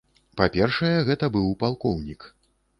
Па-першае, гэта быў палкоўнік.